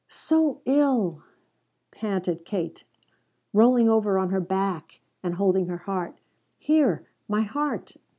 "So ill!" panted Kate, rolling over on her back and holding her heart. "Here! My heart!"